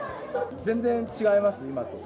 全然違います、今と。